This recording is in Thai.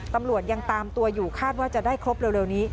ตำรวจยังตามตัวอยู่คาดว่าจะได้ครบเร็วนี้